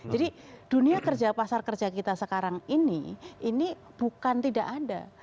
jadi dunia kerja pasar kerja kita sekarang ini ini bukan tidak ada